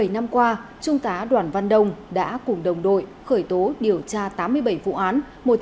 bảy năm qua trung tá đoàn văn đông đã cùng đồng đội khởi tố điều tra tám mươi bảy vụ án